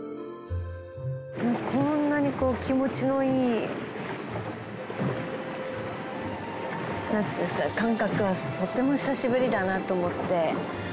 こんなにこう気持ちのいいなんていうんですか感覚はとても久しぶりだなと思って。